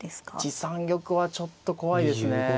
１三玉はちょっと怖いですね。